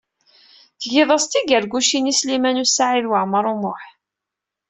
Tgiḍ-as-d tigargucin i Sliman U Saɛid Waɛmaṛ U Muḥ.